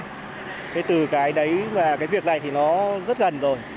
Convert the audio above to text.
thế từ cái đấy và cái việc này thì nó rất gần rồi